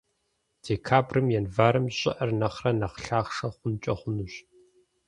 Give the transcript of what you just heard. Декабрым — январым щӀыӀэр нэхърэ нэхъ лъахъшэ хъункӀэ хъунущ.